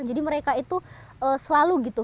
jadi mereka itu selalu